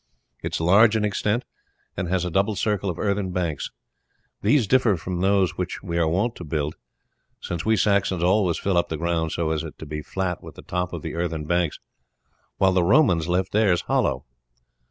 It is large in extent, and has a double circle of earthen banks. These differ from those which we are wont to build, since we Saxons always fill up the ground so as to be flat with the top of the earthen banks, while the Romans left theirs hollow.